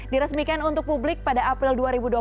diresmikan untuk publik pada april dua ribu dua puluh satu